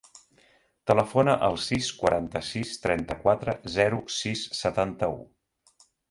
Telefona al sis, quaranta-sis, trenta-quatre, zero, sis, setanta-u.